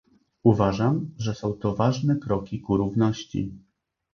Uważam, że są to ważne kroki ku równości